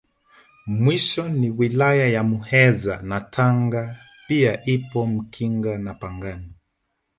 Mwisho ni Wilaya za Muheza na Tanga pia ipo Mkinga na Pangani